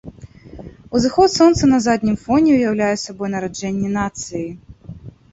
Узыход сонца на заднім фоне ўяўляе сабой нараджэнне нацыі.